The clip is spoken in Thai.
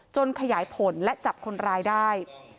ขยายผลและจับคนร้ายได้